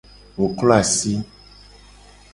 Wo klo asi.